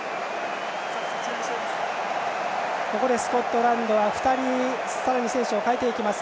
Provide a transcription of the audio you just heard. スコットランドは２人さらに選手を代えていきます。